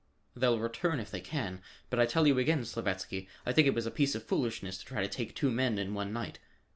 "They'll return if they can, but I tell you again, Slavatsky, I think it was a piece of foolishness to try to take two men in one night.